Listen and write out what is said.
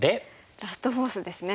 ラストフォースですね。